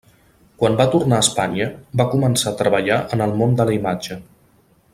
Quan va tornar a Espanya va començar a treballar en el món de la imatge.